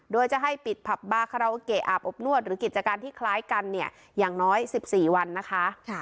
โดยจะให้ปิดผับบาคาราโอเกะอาบอบนวดหรือกิจการที่คล้ายกันเนี่ยอย่างน้อย๑๔วันนะคะ